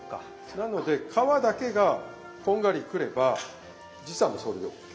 なので皮だけがこんがりくれば実はもうそれでＯＫ。